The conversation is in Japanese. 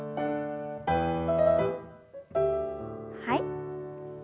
はい。